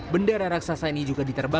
bendera raksasa ini juga diterbangkan